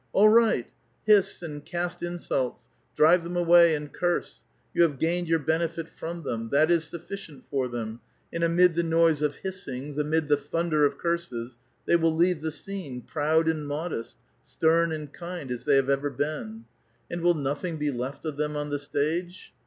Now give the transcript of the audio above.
All right, hiss and cast insults, drive them away and curse ; you have gaiued your benefit from them ; that is sufficient for them, and amid the noise of hissings, amid the thunder of curses, they will leave the scene, proud and modest, stern and kind, as they have ever been. And will nothing be loft of them on the stage